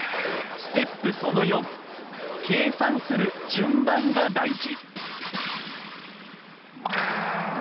計算する順番が大事。